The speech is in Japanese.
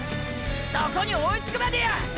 そこに追いつくまでや！！